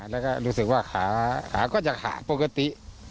แล้วก็รู้สึกว่าขาขาก็จะขาปกติ